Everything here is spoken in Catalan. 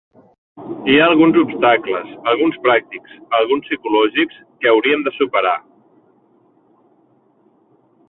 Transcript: Hi ha alguns obstacles, alguns pràctics, alguns psicològics, que hauríem de superar.